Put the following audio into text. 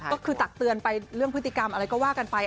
ก็คือตักเตือนไปเรื่องพฤติกรรมอะไรก็ว่ากันไป